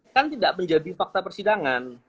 kan tidak menjadi fakta persidangan